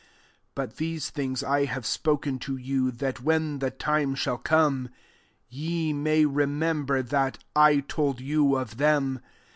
4 << But these things I have spoken to you, that, when the time shall come, ye may re member that I told you of them.